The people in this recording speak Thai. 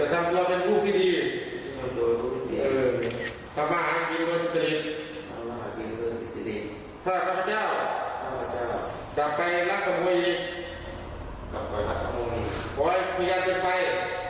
ไหนเลยไม่เป็นไป